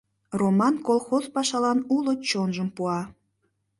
Роман колхоз пашалан уло чонжым пуа.